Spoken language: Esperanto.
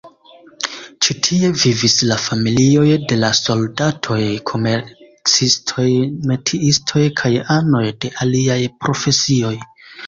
Ĉi- tie vivis la familioj de la soldatoj, komercistoj, metiistoj kaj anoj de aliaj profesioj.